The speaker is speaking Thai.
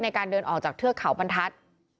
ในการเดินออกจากเทือกเขาบรรทัศน์